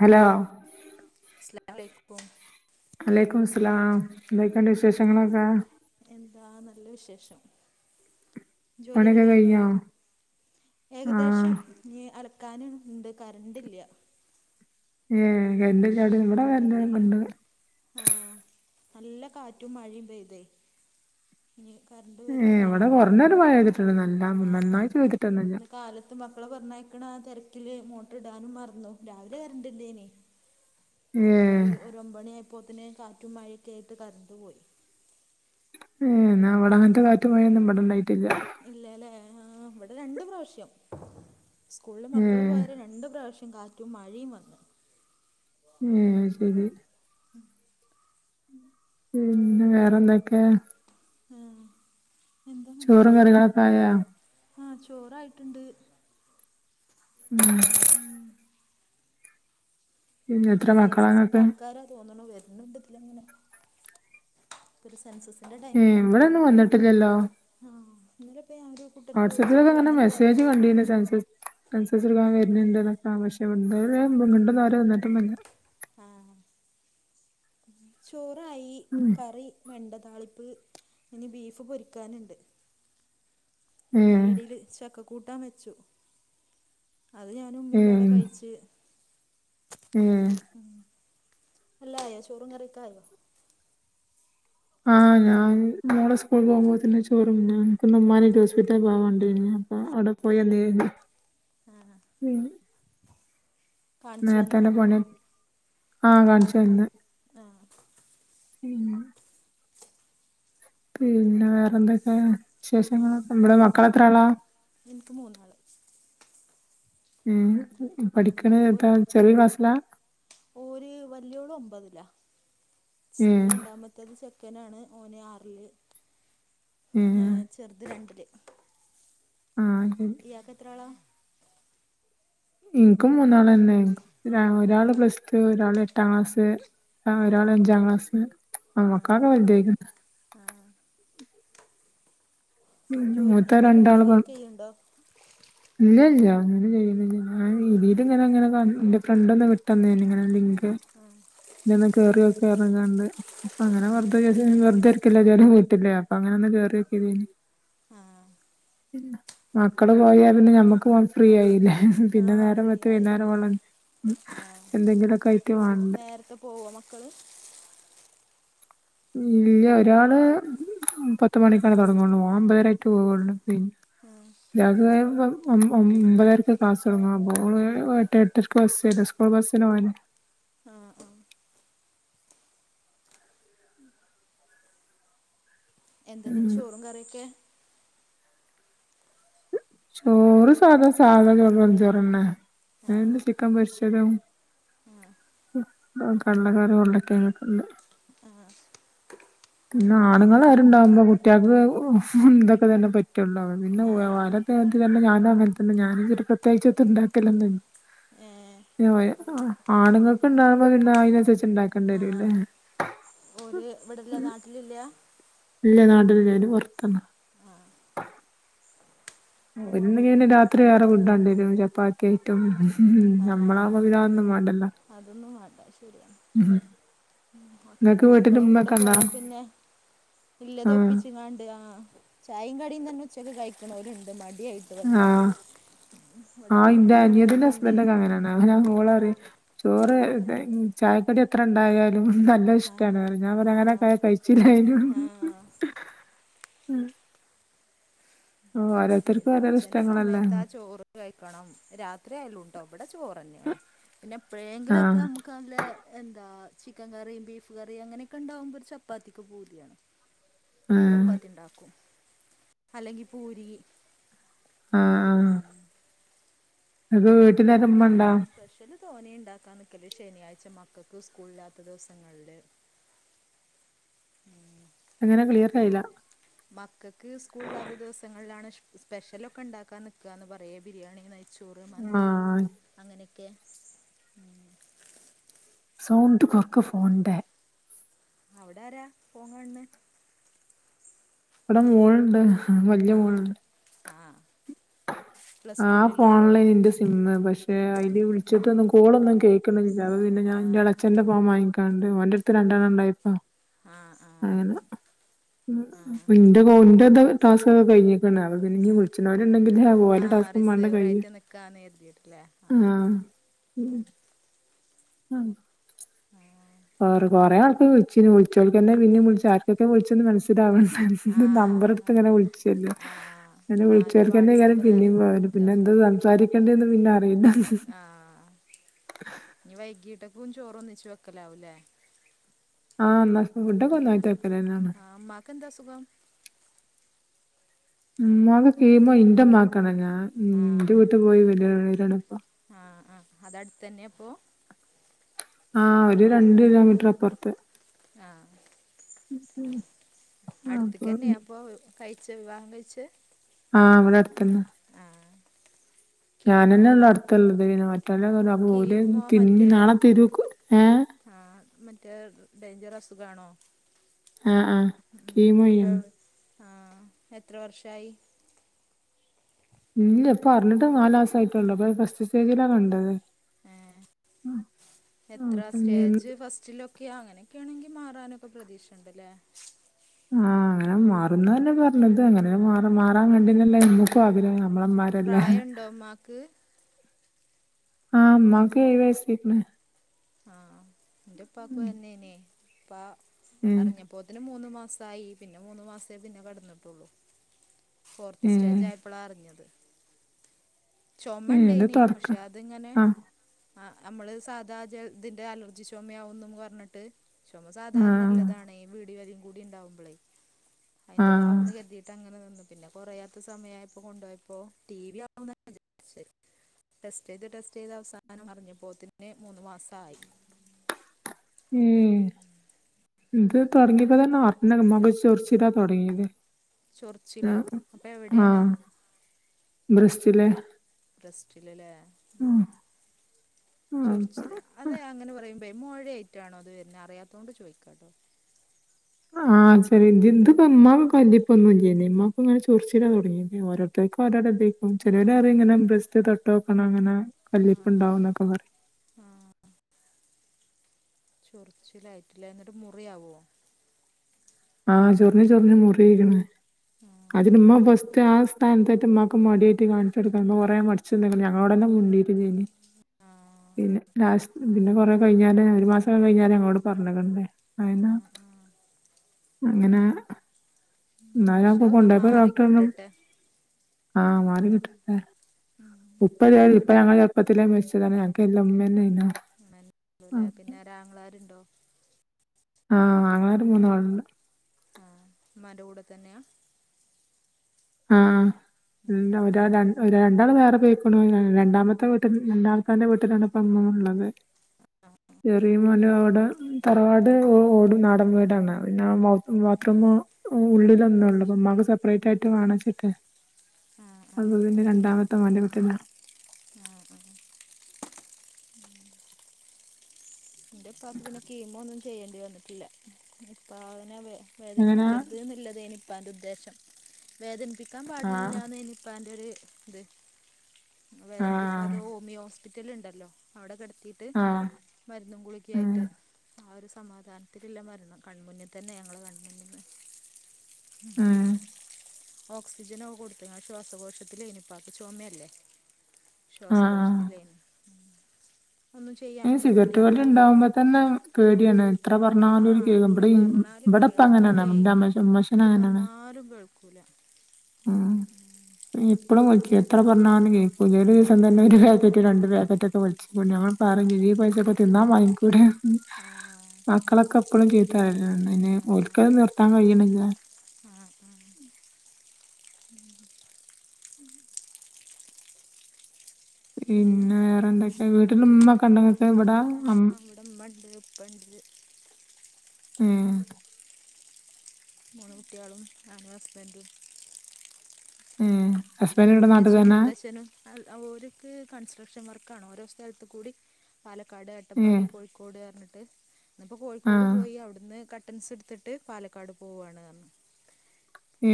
Hello അസ്ലാമലൈ ക്കും വലൈക്കുമുസ്സലാം എന്തൊക്കെണ്ട് വിശേഷങ്ങളൊക്കെ എന്താ നല്ല വിശേഷം ജോലിയൊക്കെ കഴിഞ്ഞോ ആഹ് ഏകദേശം ഞ്ഞ് അലക്കാന്ണ്ട് കറണ്ടില്ല ഉംഏകരണ്ടില്ലാതെഇവിടെ കര ൻ്റെക്കൊണ്ട് ആഹ് നല്ല കാറ്റും മഴയും പെയ്തെ ഇഞ്ഞ് കറണ്ട് ഏഹ് പരോന്ന ഇവിടെ റില കുറഞ്ഞൊരു മഴ പെയ്തിട്ടുണ്ട് നല്ല ആഹ് നന്നായിട്ട് പെയ്തിട്ടൊന്നുമില്ല ഇന്ന് കാലത ത്ത് മക്കളെ പറഞ്ഞയക്കണ ആ തെരക്കില് മോട്ടർ ടാനും മറന്നു രാവിലെ കരണ്ടിണ്ടേനി ഏഹ് ഒരു ഒര് ഒമ്പണി ആയപ്പോത്ത്ന് കാറ്റും മഴൊക്കെ യിട്ട് കറണ്ടുപോയി ഉ ന്ന അവടങ്ങനത്തെ കാറ്റു മഴൊന്നും ഇബടെ ണ്ടായിട്ടില്ല ഇല്ലല്ലേ ഹാ ഇവടെ രണ്ട് പ്രാവശ്യം സ്കൂളില് മക്കൾ ഏഹ് പോയ രണ്ടു പ്രാവശ്യം കാറ്റും മഴിം വന്ന് ഉം ശരി ഉംപിന്നെ വേറെന്തൊക്കെ ആഎന്താ നല്ല ചോറും വിശേഷം കറികളൊക്കെ ആയാ ആ ചോറായിട്ണ്ട് ഉം പിന്നെ എത്ര മക്കളാ സെൻസസിന്റെ ഇങ്ങക്ക് ആൾക്കാരാ തോന്ണു വെര്ന്ന്ണ്ട് ഇതില ങ്ങനെ. ഒരു സെൻസസിന്റെ ഏ എവിടന്ന വന്നിട്ടില്ലല്ലോ ആഹ് ഇന്നലപ്പ ഞാൻ ഒരു കൂട്ടർക്ക് വിളിച്ചപ്പോഴും വാട്സആപ്പിലൊക്കെങ്ങനെ അങ്ങനെ പറഞ്ഞു മെസജ് കണ്ടീന് സെന്സസ് സെൻസസ് എടുക്കാൻ ആ വരുന്നുണ്ട് എന്ന് ആ ഇതുവരെ ആരും വന്നിട്ട് ഒന്നുമില്ല ആഹ് ചോറായി ഉം കറി വെണ്ട താളിപ്പ് ഇനി ബീഫ് പൊരിക്കാനുണ്ട്. ഉം അയിൻ്റെ ഇടയിൽ ചക്ക കൂട്ടാൻ വെച്ചു. അത് ഞാൻ ഉം ഉമ്മിമ്പാടെ കഴിച്ചു ഉം എല്ലാം ആയോ ചോറും കറിഒക്കെആ യോ ആഹ് ഞാന് മോളെ സ്കൂൾ പോകുമ്പോ തന്നെ ചോർ തിന്ന് പിന്നെ ഉമ്മനെ കൊണ്ട് ഹോസ്പിറ്റലിൽ പോവാണ്ടായിരുന്ന് ആഹ് അവിടെ പോയന്തീ ആഹ് ഉം കാണിച്ചു നേരത്തെ വന്നോ തന്നെ പോണേ ആഹ് കാണിച്ച് വന്ന് ആ പിന്നെ വേറെന്തൊക്കെ ഉം വിശേഷങ്ങളൊക്കെ നമ്മുടെ മക്കളെത്രയാളാ എനിക്ക് മൂന്നാള് ഉം ഉം പഠിക്കണ എന്താ ഒരു ചെറിയ ക്ലാസ്സിലാ ഓര് വലിയോൾ ഒൻപത്‌ലാ ഉം രണ്ടാമത്തേത് ചെക്കനാണ് ഓന് ആറില് ഉം ഏ ചെറുത് രണ്ടില് ആഹ് അതെ ഇയാൾക്ക് എത്രയാള എനിക്കും മൂന്നാള് തന്നെ ഒരാൾ പ്ലസ് ടു ഒരാള് എട്ടാം ക്ലാസ് ആ ഒരാൾ അഞ്ചാം ക്ലാസ്സില് മക്കളൊക്കെ വലുതായിന് ആഹ് ജോലി മൂത്ത എന്തേലും ഉണ്ടോ രണ്ടാള് വർക്ക് ചെയ്യണ്ടോ ഇല്ല ഇല്ല ഒന്നും ചെയ്യുന്നില്ല ഞാൻ ഇ ആ തിയിൽ ഇങ്ങനെ ഇങ്ങനെ എ ഫ്രണ്ട് ഒന്നു വിട്ട് തന്നെനി ഇങ്ങനെ ലിങ്ക് ആഹ് ഇജ് ഒന്ന് കേറിനോക്ന്ന് പറഞ്ഞ് കാണ്ട് അപ്പൊ അങ്ങനെ വെറുതെ വെറുതരിക്കില്ലേ വീട്ടിൽ അപ്പോ അങ്ങനെ ഒന്ന് കേറിനോകിയത് എനി. ആഹ് മക്കള് പോയാ പിന്നെ ഞമ്മക്ക് ഫ്രീ ആയില്ലേ ആ പിന്നെ നേരം ഫ്രീ വെളുത്ത് ആയി വൈുന്നേരം ആവോളം ആ എന്തെങ്കിലുമൊക്കെ ആയിട്ട് വാണ്ടേ. പ്പോവോ മക്കൾ ഇല്ല ഒരാള് പത്ത് മണിക്കാണ് തുടങ്ങള്ളു ഓൻ ഒൻപതര ആയിട്ട് പോവൊള്ളൂ പിന്നെ ആഹ് ഇ ഒമ്പതരക്ക് ക്ലാസ് തൊടങ്ങ അപ്പോ ഓൾ എട്ട് എട്ടരക്ക് ബസ് വരും അപ്പോ ബസിന് പോവാന് ആഹ് ആഹ് എന്തെന്നിട്ട് ചോറും കറിയൊക്കെ ചോറ് സാധ സാധാ ചോറ് വെറും ചോറ്ന്നെ ആ ചിക്കൻ പൊരിച്ചതും ആ കള്ളക്കാര് കൊള്ളക്കാനൊക്കെ ഉണ്ട് ആഹ് പിന്നെ ആണുങ്ങൾ ആരുണ്ടാവുമ്പോ കുട്ടികൾക്ക് ഇന്തൊക്കെ തന്നെ പറ്റുള്ളു പിന്നെ വ ആ അത് തന്നെ ഞാനും അങ്ങൻ തന്നെ ഞാന് ങ്ങട്ട് പ്രതേകിച്ച് എത്തും ഉണ്ടാക്കല്ലെന്നും ല്ല [unintelligible] ഏഹ് [unintelligible] ആണുങ്ങൾക്ക് ഇണ്ടാകുമ്പോ പിന്നെ അയിനനുസരിച്ച് ഇണ്ടാക്കണ്ടി വരുംല്ലേ ഒര് ഇവില്ല നാട്ടിലില്ലാ ഇല്ല നാട്ടിലില്ല ഓ ല് പൊറ്ത്താണ് ഇന്ന് ഞാന്‌ രാത്രി വേറെ ഫുഡ ണ്ടി വരും ചപ്പാ കേട്ടും [unintelligible] ആ നമ്മളാകുമ്പം പിന്നതൊന്നും വേണ്ടല്ലോ അതൊന്നും വാണ്ട ശരിയാണ് മ് ഇങ്ങക്ക് ഒറ്റക്ക് വീട്ടില് മക്കളും കൂടെ ഉമ്മയൊക്കെ ഉണ്ടോ പോയാ പിന്നെ ഇല്ലത് ആഹ് ഒപ്പിച്ചിങ്ങാണ്ട് ആഹ് ചായയും കടിം തന്നെ ഉച്ചക്ക് കഴിക്ക് ണോര് ണ്ട് മടിയായി ആഹ് വെക്കാന് ഇവിടെ പിന്നെ ഉപ്പി ഉമ്മയൊക്കെ ഇണ്ട് അങ്ങന മോളറിം ചോറ് ചായക്കടി എത്ര ണ്ടായ നല്ല ആ ഇഷ്ടമാണ് പറിം ഞാൻ പറിം ആ അങ്ങനക്കെ യാ കയി ചിലായി ന് ന്റെ ഉള്ളു ആ കൂടെ ഓ ഓരോ ഇത് ഉച്ചന്റെ സമയത്ത് ആ ചോറ് കഴിക്കണം രാത്രി ആയാലുംട്ടോ ഇവിടെ ചോറ്ന്നെയാണ് പിന്നെ എപ്പഴേങ്കിലുക്കെ ആഹ് നമ്മക്ക് നല്ലേ എന്താ ചിക്കൻ കറിയും ബീഫ് കറിയും അങ്ങനെയൊക്കെ ഉണ്ടാവുമ്പോ ഒരു ചപ്പാത്തിക്ക് പൂതി യാണ് അപ്പ ആഹ് ചപ്പാത്തി ഉണ്ടാക്കും അല്ലെങ്കി പൂരി ആഹ് അൻ ക്ക് വീട്ടില് അന്റെ ഇമ്മണ്ടോ തോനി ഇണ്ടാക്കാൻ നിൽക്കല് ശനിയാഴ്ച മക്കൾക്ക് സ്കൂളില്ലാത്ത ദിവസങ്ങളില് എങ്ങനെ ക്ലിയർ ആയില്ല മക്കൾക്ക് സ്കൂളില്ലാത്ത ദിവസങ്ങളിലാണ് സ്പെഷ്യലൊക്കെ ഇണ്ടാക്കാൻ നിക്കാന്ന് പറയ ബിരിയാണിയി നെയ് ചോറ് മന്തി ആഹ് അങ്ങനെയൊക്കെ സാണ്ട് കൊർക്ക് ഫോണ് ന്റെ അവിടെ ആരാ ഫോൺ കാണ് ണേ ഇവിടെ മോള്ണ്ട് ആഹ്ആഹ് ആഹ് ഫോൺ ലേനി ഇന്റെ സിമ്മ് പക്ഷെ അയില്‌ വിളിച്ചിട്ടൊന്നും കോളൊന്നും കേൾക്കണില്ല അപ്പം പിന്നെ ഞാൻ ഇന്റെ ആഹ് എളച്ചന്റെ ഫോ വാങ്ങിക്കാണ്ട് ഓന്റെ ടുത്ത് രണ്ടെണ്ണം ഇണ്ടായപ്പം ആഹ് ആഹ് ഉം ആഹ് അപ്പ ഇന്റെ കോ ഇന്റെ ത് ടാസ്ക്ക്ഒക്കെ കഴിഞ്ഞി ക്ണ് അപ്പംപിന്നെ ഞ്ഞ് വിളിച്ച് ണോര്‌ ഇണ്ടങ്കില് ഓല ടാ ആ ഹ് റിസേവർ ആയിട്ട് നിക്കാന്ന് കരുതിയിട്ട്ല്ലേ ഉം ആഹ് കൊറെ കൊറെ ആൾക്ക് വിളിച്ചീനി വിളിച്ചോൽക്കന്നെ പിന്നെ വിളിച്ചു ആർക്കൊക്കെ വി ൾച്ചന്ന് മൻ സിലാവണ് ഇത് നമ്പർ ടുത്ത് ആഹ് ങ്ങനെ വിളിച്ചല്ലോ ആഹ് പിന്നെ ഒന്നായിട്ട് വിളിച്ചാൽക്കന്നെ കാരം വാട്സപ്പ് പിന്നേ നിറഞ്ഞ് പോയത് പിന്നെ നിക്കാ എന്ത് സംസാരിക്കണ്ടന്ന് പിന്നെ അറിയില്ല ആഹ് ഇനി വൈകീട്ടക്കും ചോറ ഒന്നിച്ച് വെക്കലാവൂല്ലേ ആഹ് ന്നൽ ഫുഡൊക്കെ ഒന്നായിട്ട് വെക്കലന്നാണ് അന്ക്ക്ന്താ അസുഖം ഇ മാക് കീമോ ഇന്റെ മാക്കാണ് ഞാൻ ആഹ് ഇന്റെ വീട്ട് പോയി വരാണ് വരാണ് പ്പം ആഹ് ആ അത അടുത്തന്നെപ്പോ ആ ഹ് ഒരു രണ്ട് കിലോമീറ്റർ അപ്പൊറ്ത്ത് ആഹ് ഉ ഉം അടുത്തക്കന്നെയാ അപ്പൊ കഴിച്ച വിവാഹം കഴിച്ച ആഹ് അവിടെ അടുത്തന്നെ- ഞാനെന്നെയ ഉള്ളൂ കീമോല്ലേ അടുത്തുള്ളത് പിന്നെ ആഹ് മറ്റല്ല പോര് കീമോ തിന്നി നാളെ തിരുക്ക് ഏഹ് ആഹ് മറ്റേ ഡേഞ്ചർ അസുഖണോ? ആഹ് ആഹ് ഉം കീമോ അപ്പൊ ചെയ്യണം ആഹ് എത്ര വർഷമായി? ഉം എപ്പൊ പറഞ്ഞിട്ട് നാലല്സ ആയിട്ടള്ളു അപ്പൊ ഫസ്റ്റ് സ്റ്റേജിലാ കണ്ടത്. ആഹ് എത്ര അങ്ങനെ സ്റ്റേജ് ഫസ്റ്റിലൊക്കെയ അങ്ങനെയൊക്കെയ ആണെങ്കിൽ മാറാനൊക്കെ പ്രതീക്ഷുണ്ടല്ലേ? ആഹ് അങ്ങനെ മാറുന്ന തന്നെ പറഞ്ഞത് അങ്ങനെ മാറാൻ കണ്ടില്ലല്ലോ എക്കും ആഗ്രഹം നമ്മളെ പ്രായണ്ടോ മ്മാക്ക് ആഹ് ഉമക്ക വയസരിക്കനെ ആഹ് എൻ്റപ്പക്ക് തന്നേനെ ഇപ്പാ ഏഹ് അറിഞ്ഞ ഇപ്പത്തിന് മൂന്നു മാസ ആഹ് പിന്നെ മൂന്ന മാസേ പിന്നെ കിടന്നിട്ടുള്ളൂ- ഫോർത്ത് ഏഹ് സ്റ്റേജ് ആയപ്പോളാ അറിഞ്ഞത് ഏഹ് ഇത് ചുമണ്ടേനി തൊടക്ക പക്ഷെ അതിങ്ങനെ ആഹ് ആഹ് നമ്മള് സാധാ ജ ഇതിന്റെ അലർജി ചക്ഷോമയാവുന്നു പറഞ്ഞിട്ട്- ചുമ ആഹ് സാധാരണയല്ലതാണേ വീടും കൂടി ഉണ്ടാവുമ്പോളേ ആഹ് അതിന്റതാവന്ന് കരുതിയിട്ട് അങ്ങനെ തന്നു പിന്നെ കൊറയാത്ത സമയയപ്പോ കൊണ്ടു പോോയപ്പോ ടി വി ആവുന്ന ടെസ്റ്റ് ചെയ്ത് ടെസ്റ്റ് ചെയ്ത് അവസാനം അറിഞ്ഞപ്പോത്തിന് മൂന്ന് മാസ ആയി ഉം ഇത് തുടങ്ങിയപ്പോ തന്നെ ഒന മക ചൊറച്ചിട- തുടങ്ങിയത് ചൊറിച്ചിലോ അപ്പോൾ എവിടെയാണ് ആഹ് ബ്രസ്റ്റില ബ്രസ്റ്റിൽ അല്ലേ ആഹ് പ ചൊറച്ചില അതെ അങ്ങനെ പറയുമ്പം മഴ ആായിട്ടാണോ അത് വരുന്നത് അറിയാത്തതോണ്ട് ചോദിക്കാം കേട്ടോ? ആഹ് ഇപ്പ എമമാ കല്ലപ്പൊന്നുമല്ലമ്മാക്ക് ഇങ്ങനെ ചോറിച്ചിടാ തുടങ്ങി ഓരോരുത്തർക്ക് ചെറി ആ ഇങ്ങനെ ബ്രസ്റ്റ് തട്ടോ വെക്കണം അനെ കല്ലിപ്പ് ഉണ്ടാവും എന്നൊക്കെ പറയും ആഹ് ചൊറിച്ചിലായിട്ടില്ല എന്നിട്ട് മുറിയവോ? ആഹ് ചൊറിഞ്ഞ് ചൊറിഞ്ഞ് മുറിരിക്കണ് ആഹ് അതിന് ഉമ്മ ബസ്റ്റ് ആഹ് സ്ഥാനത്തായിട്ട്മ്മക്ക് മടിയായിട്ട് കാണിച്ചെടുക്കാം കുറേ മടിച്ച് ഒച ഞങ്ങളോട് എല്ലാം മുണ്ടയിരുന്നേന് [unintelligible] പിന്നെ ലാസ്റ്റ് പിന്നെ കുറെ കഴിഞ്ഞാല ഒരു മാസംക്കെ കഴിഞ്ഞാലും അങ്ങോട്ട് പറഞ്ഞിട്ടണ്ടേ ആന ആഹ് ആഹ് അങ്ങനെ എന്നാ ഞാൻ ഇൻഷാ അള്ളാ പോണ്ടപ്പ മാറി ഡോക്ടറെ കിട്ടട്ടെ ആഹ് മാറി കിട്ടട്ടെ ഉപ്പ ഇപ്പ ഞങ്ങള് ചെറുപ്പത്തിലല്ല മരിച്ചിച്ചതാണ് ഞങ്ങൾക്ക് എല്ല ഉമ്മ തന്നെയന്ന ഉണ്ടല്ലേ പിന്നെ ഒരാങ്ങളാരുണ്ടോ? ആഹ് അങ്ങളമാരു മൂന്നാളണ്ട് ആഹ ഉ്മാന്റെ കൂടെ തന്നെയാ? ആഹ് ഒരാ രണ്ടാൾ വേറെ പക്കും- രണ്ടാമത്തെ വീട്ട രണ്ടാമത്തെ്ന്റെ വീട്ടിലാണ് ഇപ്പ അങ്ങ ഉള്ളത് ആഹ് ആഹ് ചെറിയ പോല അവിടെ തറവാട് ഓട നാടൻ വീടാണ് പിന്നെ ബാത്റൂമ ഉള്ളിൽ ഒന്ന്ഉള്ളു ഉമക് സെപ്പറേറ്റ് ആയിട്ട് വണച്ചിട്ടെ അത് പിന്നെ രണ്ടാമത്തെ മല്ലപ്പെട്ടില്ലാ ആഹ് എൻ്റെ ഇപാക്ക് പിന്നെ കീമോ ഒന്നും ചെയ്യേണ്ടി വന്നിട്ടില്ല ഇപ്പം അങ്ങനെ എങ്ങനാ വേദനിപ്പിക്കരുത് എന്നുള്ളത് ഇനിയിപ്പം എൻ് ഉദ്ദേശം വേദനിപ്പിക്കാൻ ആഹ് പാടില്ലന്ന് എനി ഇപാൻ്റ് ഒരു ഇത് ആഹ് വേധനിപിക്കാത ഹൊമിയോസ് ഹോസ്പിറ്റല ഉണ്ടല്ലോ? അവിടെ കിടത്തി ആഹ് ഇന്നും ഉം ഗുളിക്കായിട്ട് ആ ഒരു സമാധാനത്തിലില്ല മരണം കൺമുന്നിൽ തന്നെ ഞങ്ങള് കൺമുന്നിന്ന് ഉം ഓക്സിജനൊക്കെ കൊടുത്ത്ങ്കാ ശ്വാസകോശത്തിലെയ്ന്നു ഇപ്പാക്ക് ചൊമല്ലേ ആഹ് ആഹ് ശ്വാസകോശത്തിലേയ്ന്നു ഉം ഒന്നും ചെയ്യാനും പറ്റൂല പ്രാ ണ്ടാവുമ്പോ തന്നെ പേടിയാണ് എത്ര ആ പറഞ്ഞാലും ഓര് കേദം ഉണ്ട് ഇവിടെ ഈ പറഞ്ഞാൽ ഇവിടെപ്പ അങ്ങനാണ് കേൾക്കൂലേ ന്റെ മ്മോശം മ്മോശ എന്ത് പറഞ്ഞാലും കേൾക്കൂല ഈ ഇപ്പളും വൽച്ചും എത്ര പറഞ്ഞാലും കേൾക്കൂല ഒരു ദിവസം ആ തന്നെ ഒരു പാക്കറ്റ് രണ്ട് പാക്കറ്റ് ഒക്കെ വൽ പ്പൊ ഞങ്ങൾ ആ പറീം ചെയ്യും ഈ പൈസക്ക്‌ തിന്നാൻ വാങ്ങിക്കൂടെന്ന് ഉം ആ മക്കളൊക്കെ എപ്പളും ചീത്ത പറീണ്ട് അയിന് ഓൽക്കത് നിർത്താൻ കഴിയ്ണില്ല ആഹ് ആഹ് ഉം പിന്നെ വേറെ എന്തൊക്കെ വീട്ടില് ഇമ്മൊക്കെ ഉണ്ടെങ്ങക്ക്‌ ഇവിടെ അം വ്ടെ ഇമ്മണ്ട് ഇപ്പണ്ട് ഉം മൂന്ന് കുട്ട്യാളും ഞാനും ഹസ്ബന്റും ഏ പിന്നെ ഹസ്ബൻഡ് ഇവിടെ നാട്ടിൽ മൂത്തച്ചി തന്നെ മുത്തച്ഛനും അൽ അ ഓര്ക്ക് കൺസ്ട്രക്ഷൻ വർക്കാണ് ഓരോ സ്ഥലത്ത് കൂടി പാലക്കാട് ഏ അട്ടപ്പാടി കോഴിക്കോട് അർഞ്ഞിട്ട് ഇന്നിപ്പോ ആ കോഴിക്കോട് പോയി അവിടുന്ന് കട്ടൻസ് ഇട്ത്തിട്ട് പാലക്കാട് പോവാണ് അർഞ്ഞു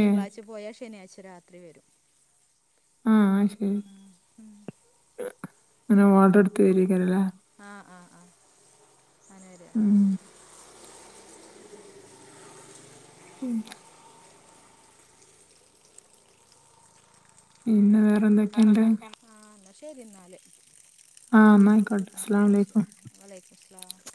ഏ പോയാ ശനിയാഴ്ച രാത്രി വരും ആഹ് അയ് ശരി ഉം. ഉം. ഇങ്ങനെ ഓഡർ എടുത്ത് വരാക്കാരല്ലേ ആഹ് ആഹ് ആഹ് അങ്ങനെ വരാ ഉം ഉം പിന്നെ വേറെ എന്തെ വേറെന്തൊക്കേണ് ആഹ് ന്നാ ശരി എന്നാല് ആ എന്നാ ആയിക്കോട്ടെ ആഹ് അസ്സലാമു ആഹ് ശരി അലൈക്കും വലൈക്കുസ്ലാസം